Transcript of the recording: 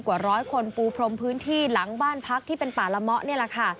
กว่าร้อยคนปูพรมพื้นที่หลังบ้านพักที่เป็นป่าละเมาะนี่แหละค่ะ